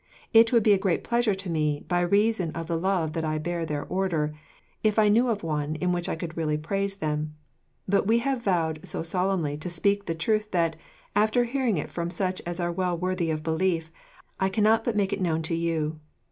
It would be a great pleasure to me, by reason of the love that I bear their Order, if I knew of one in which I could really praise them; but we have vowed so solemnly to speak the truth that, after hearing it from such as are well worthy of belief, I cannot but make it known to you.